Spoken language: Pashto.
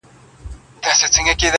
څنگه دي زړه څخه بهر وباسم